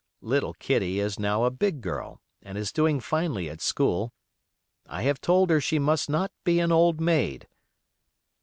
Little Kitty is now a big girl, and is doing finely at school. I have told her she must not be an old maid.